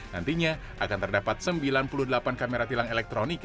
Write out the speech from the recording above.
nantinya akan terdapat sembilan puluh delapan kamera tilang elektronik